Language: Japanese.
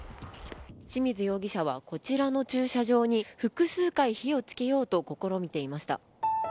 清水容疑者はこちらの駐車場に複数回火を付けようと試みていました。